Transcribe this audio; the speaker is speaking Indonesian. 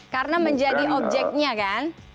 karena menjadi objeknya kan